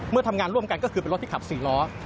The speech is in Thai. ทำงานร่วมกันก็คือเป็นรถที่ขับ๔ล้อ